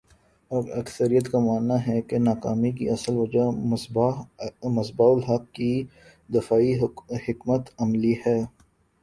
اور اکثریت کا ماننا ہے کہ ناکامی کی اصل وجہ مصباح الحق کی دفاعی حکمت عملی ہے